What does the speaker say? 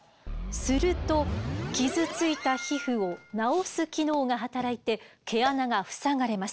すると傷ついた皮膚を治す機能が働いて毛穴が塞がれます。